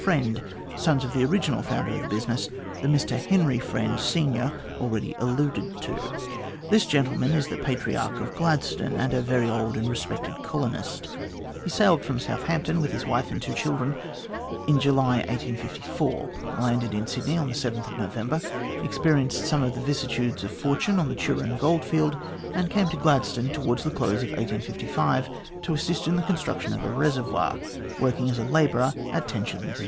Friend, sons of the original founder of the business, the Mr Henry Friend, senior, already alluded to. This latter gentleman is the patriarch of Gladstone, and a very old and respected colonist. He sailed THE GLADSTONE OF TO DAY 199 from Southampton with his wife and two children in July, 1854; landed in Sydney on November 7; experienced some of the vicissitudes of fortune on the Turon goldfield ; and came to Gladstone towards the close of 1855, to assist in the construction of a reservoir, working as a labourer at 10s.